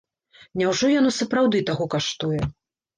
Няўжо яно сапраўды таго каштуе?